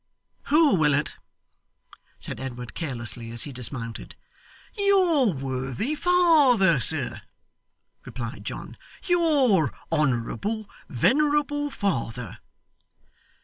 'Who, Willet?' said Edward carelessly, as he dismounted. 'Your worthy father, sir,' replied John. 'Your honourable, venerable father.